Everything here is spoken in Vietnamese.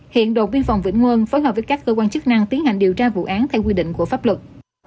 tiếp đó đồn biên phòng vĩnh nguân phối hợp với các cơ quan chức năng tiến hành điều tra vụ án theo quy định của pháp luật